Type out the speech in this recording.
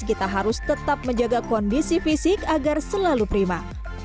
kita harus tetap menjaga kondisi fisik agar selalu prima